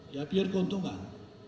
ya biar keuntungan